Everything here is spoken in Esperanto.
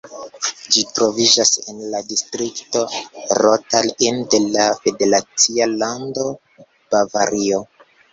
Ĝi troviĝas en la distrikto Rottal-Inn de la federacia lando Bavario.